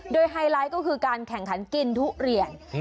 โดยไฮไลท์ก็คือการแข่งขันกินทุเรียน